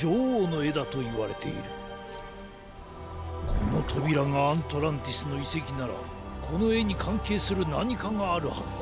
このとびらがアントランティスのいせきならこのえにかんけいするなにかがあるはずだ。